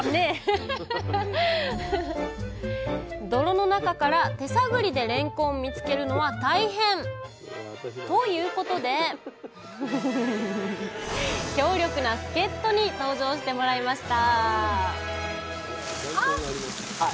泥の中から手探りでれんこん見つけるのは大変！ということで強力な助っとに登場してもらいました